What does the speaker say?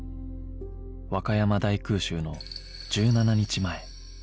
和歌山大空襲の１７日前